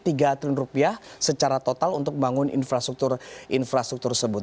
tiga triliun rupiah secara total untuk membangun infrastruktur infrastruktur tersebut